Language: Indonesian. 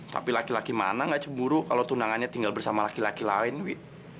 tapi laki laki mana gak ceburu kalau tunangannya tinggal bersama laki laki lain wi